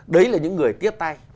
đấy là những người tiếp tay